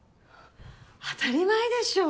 当たり前でしょう。